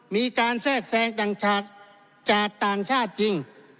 มีการแทรกแซงจากต่างชาติจริง